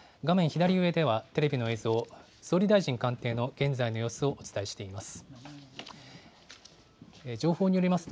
左上では、テレビの映像、総理大臣官邸の現在の様子をお伝えしています。